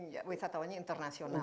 ya wisatawannya internasional